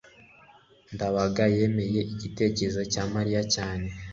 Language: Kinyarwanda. ndabaga yemeye igitekerezo cya mariya cyane